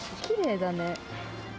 きれいだね。